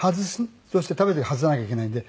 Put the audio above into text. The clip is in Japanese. そして食べてる時外さなきゃいけないんで。